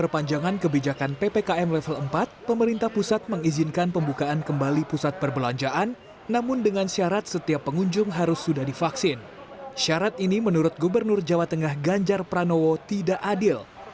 pemerintah pusat menilai langkah ini tidak adil